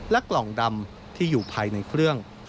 กล่องดำที่อยู่ภายในเครื่อง